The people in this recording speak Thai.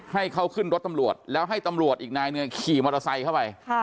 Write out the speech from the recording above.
ให้เขาขึ้นรถตำรวจแล้วให้ตำรวจอีกนายหนึ่งขี่มอเตอร์ไซค์เข้าไป